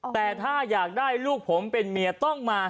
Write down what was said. แต่ถ้าอยากได้ลูกผมเป็นเมียต้องมา